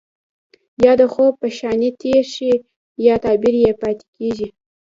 يا د خوب په شانې تير شي خو تعبير يې پاتې کيږي.